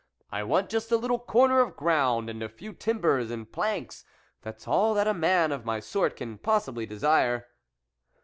I want just a little corner of ground, and a few timbers, and planks ; that's all that a man of my sort can possibly desire."